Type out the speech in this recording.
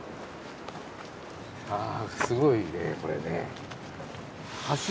あすごいねこれね。